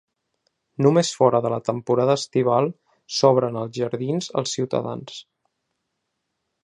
Només fora de la temporada estival s’obren els jardins als ciutadans.